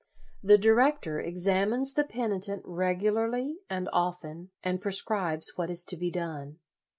The director examines the penitent regu larly and often, and prescribes what is to be done.